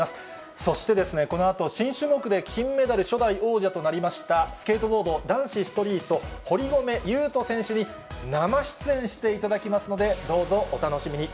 そしてですね、このあと、新種目で金メダル、初代王者となりました、スケートボード男子ストリート、堀米雄斗選手に生出演していただきますので、どうぞお楽しみに。